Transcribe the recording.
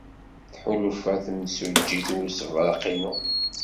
Tḥulfa temsujjit i ussebreq-inu.